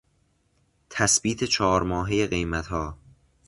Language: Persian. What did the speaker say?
تثبیت چهار ماههی قیمتها